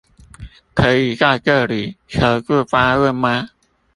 可以在這裡求助發問嗎